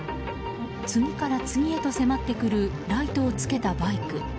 次から次へと迫ってくるライトをつけたバイク。